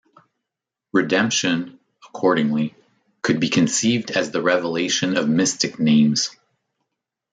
Redemption, accordingly, could be conceived as the revelation of mystic names.